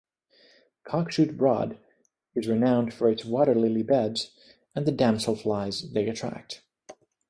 Cockshoot Broad is renowned for its waterlily beds and the damselflies they attract.